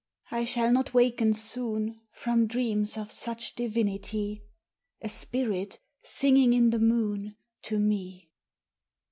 I shall not waken soon From dreams of such divinity! A spirit singing in the moon To me.